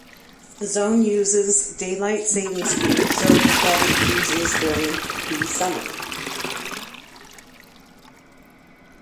The zone uses daylight saving time, so that it uses during the summer.